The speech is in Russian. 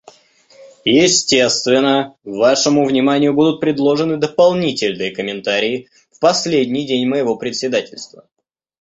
Естественно, вашему вниманию будут предложены дополнительные комментарии в последний день моего председательства.